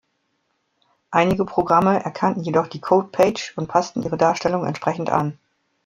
Einige Programme erkannten jedoch die Codepage und passten ihre Darstellung entsprechend an.